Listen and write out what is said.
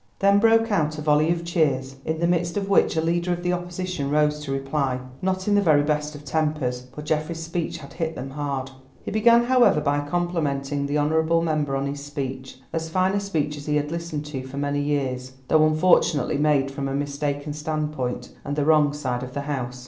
Then broke out a volley of cheers, in the midst of which a leader of the Opposition rose to reply, not in the very best of tempers, for Geoffrey's speech had hit them hard. He began, however, by complimenting the honourable member on his speech, "as fine a speech as he had listened to for many years, though, unfortunately, made from a mistaken standpoint and the wrong side of the House."